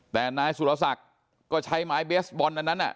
แต่นายสุรศักดิ์ก็ใช้ไม้เบสบอลอันนั้น